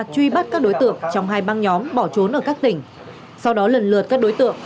truy bắt các đối tượng trong hai băng nhóm bỏ trốn ở các tỉnh sau đó lần lượt các đối tượng